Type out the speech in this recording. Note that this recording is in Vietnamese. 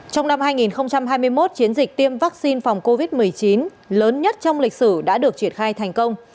trong năm hai nghìn hai mươi một chiến dịch tiêm vaccine phòng covid một mươi chín lớn nhất trong lịch sử đã được triển khai thành công